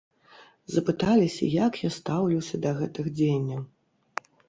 Запыталіся, як я стаўлюся да гэтых дзеянняў.